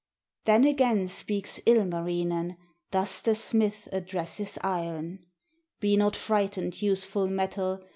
Then again speaks Ilmarinen, Thus the smith addresses Iron: "Be not frightened, useful metal.